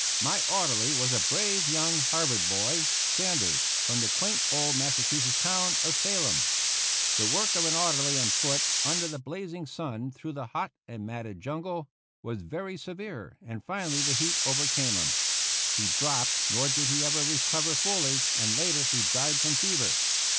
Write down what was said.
My orderly was a brave young Harvard boy, Sanders, from the quaint old Massachusetts town of Salem. The work of an orderly on foot, under the blazing sun, through the hot and matted jun gle, was very severe, and finally the heat overcame him. He dropped ; nor did he ever recover fully, and later he died from fever.